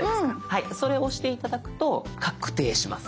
はいそれを押して頂くと確定します。